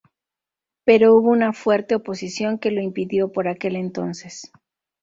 Pero hubo una fuerte oposición que lo impidió por aquel entonces.